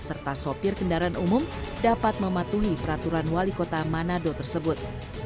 serta sopir kendaraan umum dapat mematuhi peraturan wali kota manado tersebut